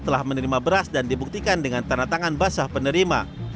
telah menerima beras dan dibuktikan dengan tanda tangan basah penerima